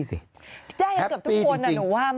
แฮปปี้จริงได้อย่างเกือบทุกคนนะหนูว่าเมื่อกี้